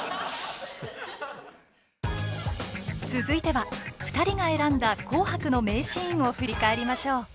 続いては２人が選んだ「紅白」の名シーンを振り返りましょう。